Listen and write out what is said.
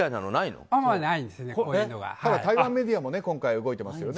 台湾メディアも今回動いていますよね。